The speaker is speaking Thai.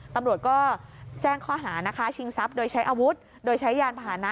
ตำรวจก็แจ้งข้อหานะคะชิงทรัพย์โดยใช้อาวุธโดยใช้ยานพาหนะ